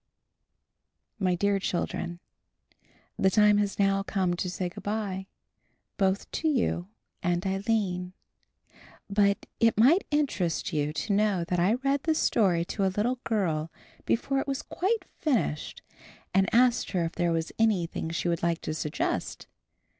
MY DEAR CHILDREN: The time has now come to say good bye, both to you and Aline; but it might interest you to know that I read the story to a little girl before it was quite finished and asked her if there was anything she would like to suggest.